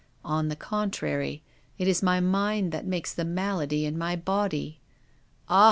On the contrary, it is my mind that makes the malady in my body. Ah